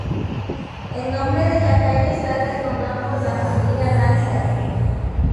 El nombre de la calle es dada en honor por la familia Ramsay.